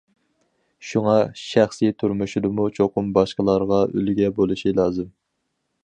شۇڭا شەخسى تۇرمۇشىدىمۇ چوقۇم باشقىلارغا ئۈلگە بولۇشى لازىم.